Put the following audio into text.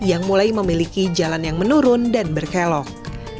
yang mulai memiliki jalan yang menurun dan berkelok